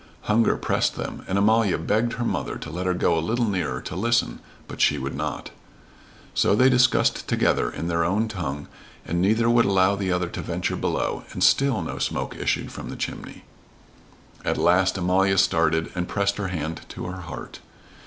Hunger pressed them, and Amalia begged her mother to let her go a little nearer to listen, but she would not. So they discussed together in their own tongue and neither would allow the other to venture below, and still no smoke issued from the chimney. At last Amalia started and pressed her hand to her heart.